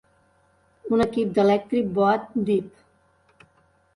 Un equip d'Electric Boat Div.